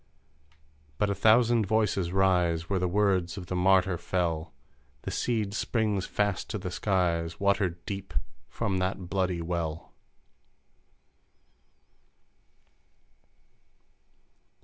But a thousand voices rise Where the words of the martyr fell ; The seed springs fast to the Skies Watered deep from that bloody well